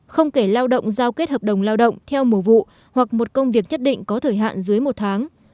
không kể lao động giao kết hợp đồng lao động theo mùa vụ hoặc một công việc nhất định có thời hạn dưới một tháng